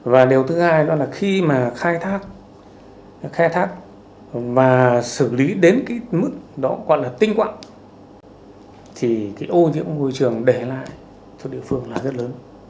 và điều thứ hai đó là khi mà khai thác và xử lý đến cái mức đó gọi là tinh quạng thì cái ô nhiễm nguôi trường để lại cho địa phương là rất lớn